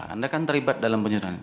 anda kan terlibat dalam penyerangan